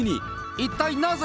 一体なぜ？